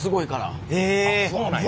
あっそうなんや。